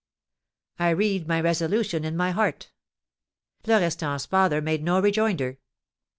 "I read my resolution in my heart." Florestan's father made no rejoinder.